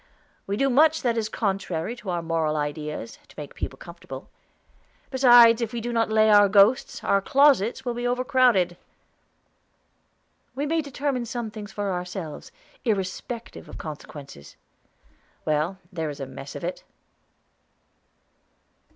We do much that is contrary to our moral ideas, to make people comfortable. Besides, if we do not lay our ghosts, our closets will be overcrowded." "We may determine some things for ourselves, irrespective of consequences." "Well, there is a mess of it."